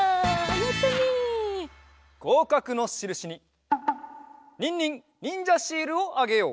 ごうかくのしるしにニンニンにんじゃシールをあげよう！